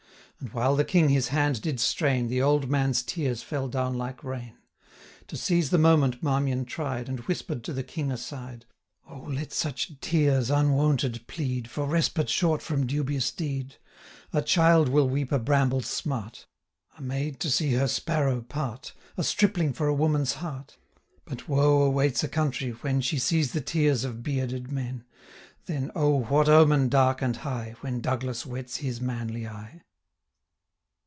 And, while the King his hand did strain, The old man's tears fell down like rain. To seize the moment Marmion tried, 465 And whisper'd to the King aside: 'Oh! let such tears unwonted plead For respite short from dubious deed! A child will weep a bramble's smart, A maid to see her sparrow part, 470 A stripling for a woman's heart: But woe awaits a country, when She sees the tears of bearded men. Then, oh! what omen, dark and high, When Douglas wets his manly eye!'